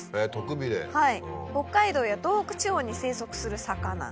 北海道や東北地方に生息する魚。